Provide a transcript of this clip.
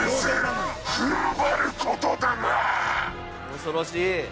恐ろしい。